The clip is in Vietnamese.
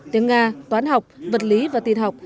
tiếng nga toán học vật lý và tin học